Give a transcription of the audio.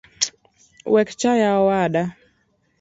Wekchaya owada